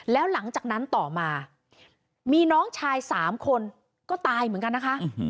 แล้วหลังจากนั้นต่อมามีน้องชาย๓คนก็ตายเหมือนกันนะคะ